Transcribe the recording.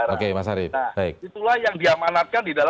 oke mas harif baik